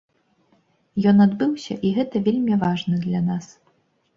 Ён адбыўся, і гэта вельмі важна для нас.